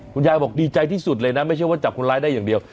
คุณยายบอกดีใจที่สุดเลยนะไม่ใช่ว่าจับคนร้ายได้อย่างเดียว